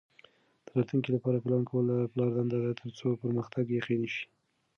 د راتلونکي لپاره پلان کول د پلار دنده ده ترڅو پرمختګ یقیني شي.